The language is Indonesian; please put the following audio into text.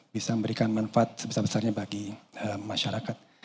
bisa memberikan manfaat sebesar besarnya bagi masyarakat